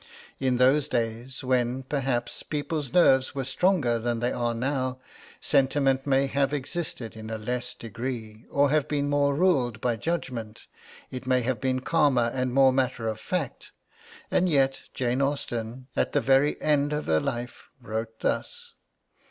In those days when, perhaps, people's nerves were stronger than they are now, sentiment may have existed in a less degree, or have been more ruled by judgment, it may have been calmer and more matter of fact; and yet Jane Austen, at the very end of her life, wrote thus.